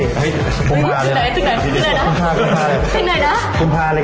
ตึกไหนตึกไหนคุมภานะสิ้นเดือดครัวคุมภาเลยอะ